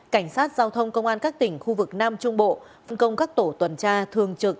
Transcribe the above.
cảnh sát giao thông công an các tỉnh khu vực nam trung bộ phân công các tổ tuần tra thường trực